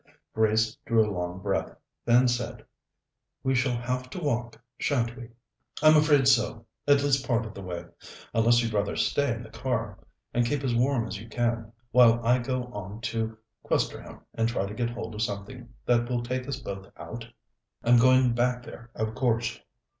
Grace drew a long breath, then said: "We shall have to walk, sha'n't we?" "I'm afraid so at least part of the way. Unless you'd rather stay in the car, and keep as warm as you can, while I go on to Questerham and try to get hold of something that will take us both out? I'm going back there, of course.